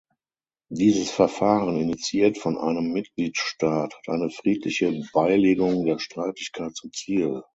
Dieses Verfahren, initiiert von einem Mitgliedstaat, hat eine friedliche Beilegung der Streitigkeit zum Ziel.